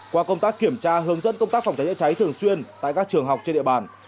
qua công tác kiểm tra hướng dẫn công tác phòng cháy chữa cháy thường xuyên tại các trường học trên địa bàn